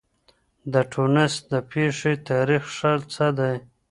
د ټونس د پېښې تاريخ څه دی؟